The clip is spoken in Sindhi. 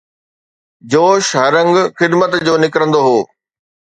جوش، هر رنگ خدمت جو نڪرندو هو